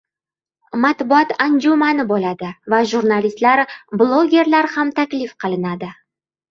Matbuot anjumani boʻladi va jurnalistlar blogerlar ham taklif qilanadi.